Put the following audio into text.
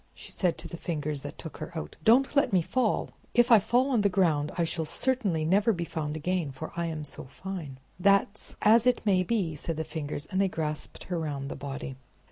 she said to the Fingers that took her out. "Don't let me fall! If I fall on the ground I shall certainly never be found again, for I am so fine!" "That's as it may be," said the Fingers; and they grasped her round the body.